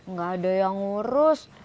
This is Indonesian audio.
nggak ada yang ngurus